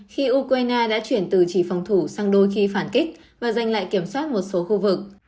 khi ukraine đã chuyển từ chỉ phòng thủ sang đôi khi phản kích và giành lại kiểm soát một số khu vực